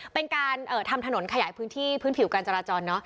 เป็นการเอ่อทำถนนขยายพื้นที่พื้นผิวกันจราจรเนอะ